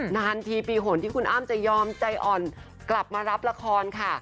นานทีปีหนที่คุณอ้ำจะยอมใจอ่อนกลับมารับละครค่ะ